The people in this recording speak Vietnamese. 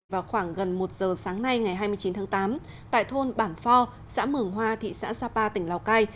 vào khoảng gần một giờ sáng nay ngày hai mươi chín tháng tám tại thôn bản pho xã mường hoa thị xã sapa tỉnh lào cai